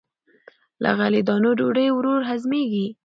له غلې- دانو ډوډۍ ورو هضمېږي.